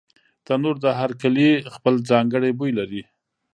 تنور د هر کلي خپل ځانګړی بوی لري